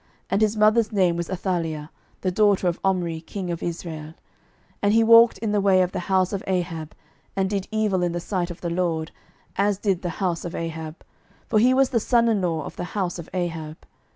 And his mother's name was Athaliah, the daughter of Omri king of Israel. 12:008:027 And he walked in the way of the house of Ahab, and did evil in the sight of the LORD, as did the house of Ahab: for he was the son in law of the house of Ahab.